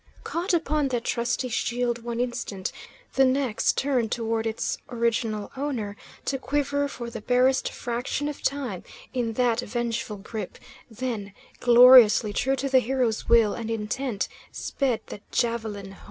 Caught upon that trusty shield one instant, the next turned towards its original owner, to quiver for the barest fraction of time in that vengeful grip, then, gloriously true to the hero's will and intent, sped that javelin home.